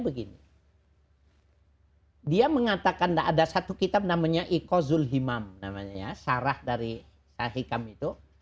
begini dia mengatakan ada satu kitab namanya iqazul himam namanya sarah dari sahihkam itu